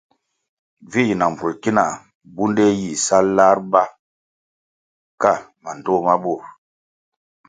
Vi yi na mbvulʼ ki na bunde yih sa lar ba ka mandtoh ma burʼ.